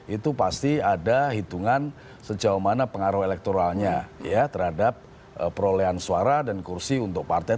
itu pasti ada hitungan sejauh mana pengaruh elektoralnya terhadap perolehan suara dan kursi untuk partai